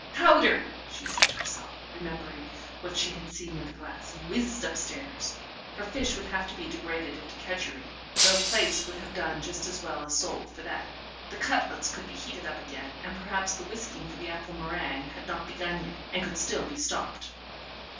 "Powder," she said to herself, remembering what she had seen in the glass, and whizzed upstairs. Her fish would have to be degraded into kedgeree, though plaice would have done just as well as sole for that; the cutlets could be heated up again, and perhaps the whisking for the apple meringue had not begun yet, and could still be stopped.